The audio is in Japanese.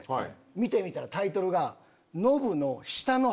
見てみたらタイトルが。